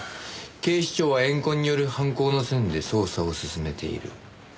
「警視庁は怨恨による犯行の線で捜査を進めている」。